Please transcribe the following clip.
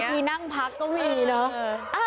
ที่นั่งพักก็มีเนอะ